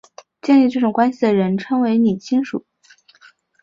建立这种关系的人称为拟亲属。